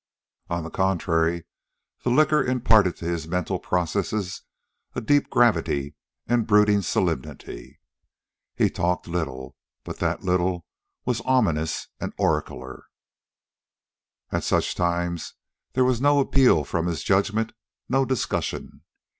On the contrary, the liquor imparted to his mental processes a deep gravity and brooding solemnity. He talked little, but that little was ominous and oracular. At such times there was no appeal from his judgment, no discussion.